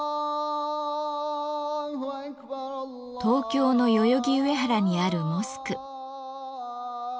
東京の代々木上原にあるモスク。